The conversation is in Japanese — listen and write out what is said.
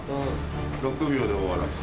６秒で終わらす。